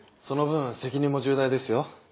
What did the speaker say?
その分責任も重大ですよ。